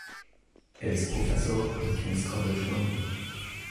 Er ist Professor am King’s College London.